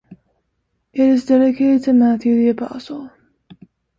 It is dedicated to Matthew the Apostle.